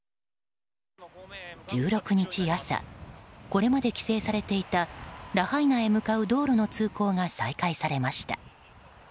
１６日朝これまで規制されていたラハイナへ向かう道路の通行が再開されました。